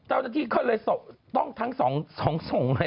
เจ้าหน้าที่ก็เลยต้องทั้ง๒ส่ง